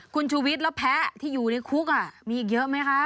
คุณชูวิทย์แล้วแพ้ที่อยู่ในคุกมีอีกเยอะไหมคะ